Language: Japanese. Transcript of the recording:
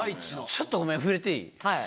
ちょっとごめん触れていい？